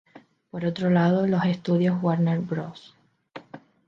Por otro lado, los estudios Warner Bros.